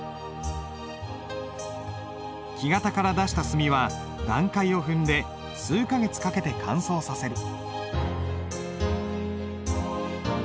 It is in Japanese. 木型から出した墨は段階を踏んで数か月かけて乾燥させる。